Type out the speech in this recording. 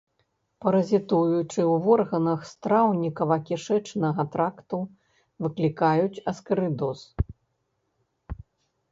Паразітуючы ў органах страўнікава-кішачнага тракту, выклікаюць аскарыдоз.